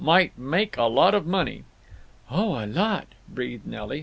Might make a lot of money." "Oh, a lot!" breathed Nelly.